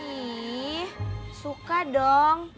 ih suka dong